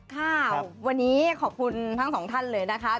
ค่ะวันนี้ขอบคุณทั้งสองท่านเลยนะคะ